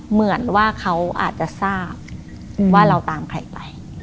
เหมือนว่าเขาอาจจะทราบว่าเราตามใครไป